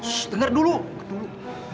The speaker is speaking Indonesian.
ssst dengar dulu